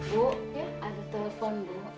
bu ada telepon bu